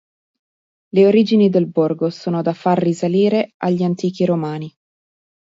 Le origini del borgo sono da far risalire agli antichi romani.